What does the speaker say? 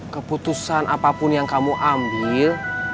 keputusan apapun yang kamu ambil